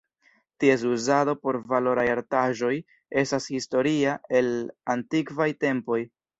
Ties uzado por valoraj artaĵoj estas historia el antikvaj tempoj.